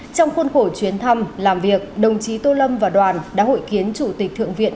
trong khuôn khổ chuyến thăm làm việc đồng chí tô lâm và đoàn đã hội kiến chủ tịch thượng viện